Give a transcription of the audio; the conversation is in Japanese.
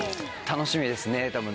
楽しみですね。